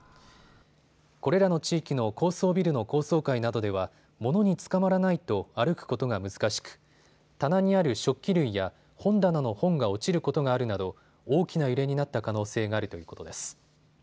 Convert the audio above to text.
これらの地域の高層ビルの高層階などでは物につかまらないと歩くことが難しく棚にある食器類や本棚の本が落ちることがあるなど大きな揺れになった可能性があるということです。